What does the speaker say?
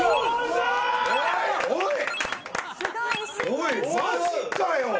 おいマジかよ。